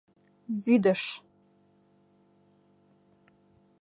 — Вӱдыш!